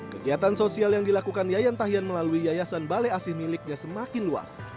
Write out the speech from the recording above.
kegiatan sosial yang dilakukan yayan tahian melalui yayasan balai asih miliknya semakin luas